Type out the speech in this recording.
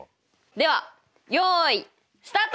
ではよいスタート！